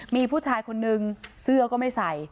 มีผู้ชายคนนึงเสื้อก็ไม่ใส่